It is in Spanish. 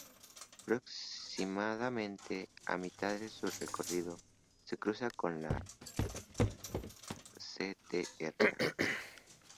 Aproximadamente a mitad de su recorrido, se cruza con la Ctra.